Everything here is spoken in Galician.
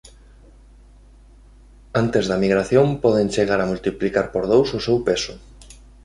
Antes da migración poden chegar a multiplicar por dous o seu peso.